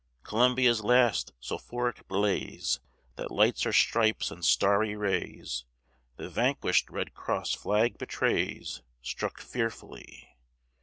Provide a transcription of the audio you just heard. Columbia's last sulphuric blaze, That lights her stripes and starry rays, The vanquish'd red cross flag betrays, Struck fearfully.